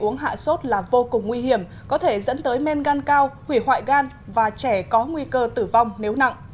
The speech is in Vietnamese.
uống hạ sốt là vô cùng nguy hiểm có thể dẫn tới men gan cao hủy hoại gan và trẻ có nguy cơ tử vong nếu nặng